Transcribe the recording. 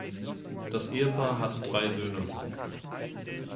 Das Ehepaar hat drei Söhne.